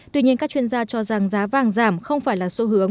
tuy nhiên các chuyên gia cho rằng giá vàng giảm không phải là xu hướng